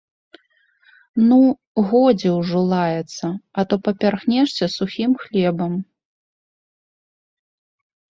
Ну, годзе ўжо лаяцца, а то папярхнешся сухім хлебам.